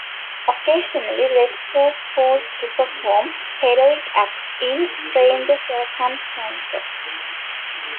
Occasionally Rex was forced to perform heroic acts in stranger circumstances.